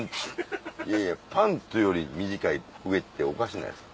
いやいやパンツより短い上っておかしないですか？